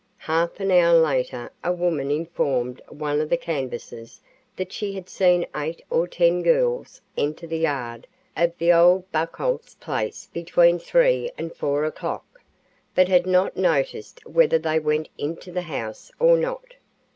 Half an hour later a woman informed one of the canvassers that she had seen eight or ten girls enter the yard of the old Buckholz place between 3 and 4 o'clock, but had not noticed whether they went into the house or not.